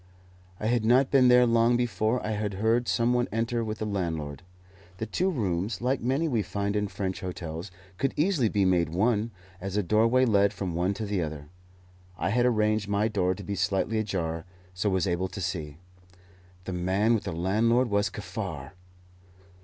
I had not been there long before I heard some one enter with the landlord. The two rooms, like many we find in French hotels, could easily be made one, as a doorway led from one to the other. I had arranged my door to be slightly ajar, so was able to see. The man with the landlord was Kaffar!